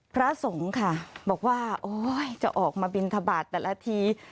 พระสงฆ์ค่ะบอกว่าโอ๊ยจะออกมาบินทบาทแต่ละที